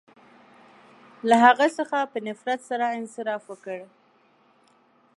• له هغه څخه په نفرت سره انصراف وکړ.